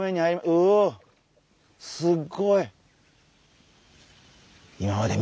うすっごい。